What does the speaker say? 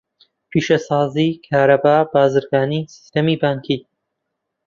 پیشەسازی، کارەبا، بازرگانی، سیستەمی بانکی.